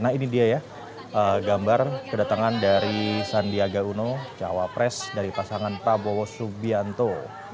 nah ini dia ya gambar kedatangan dari sandiaga uno cawapres dari pasangan prabowo subianto